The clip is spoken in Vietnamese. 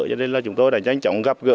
cho nên là chúng tôi đã nhanh chóng gặp gỡ